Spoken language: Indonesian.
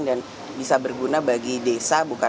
dan bisa berguna bagi desa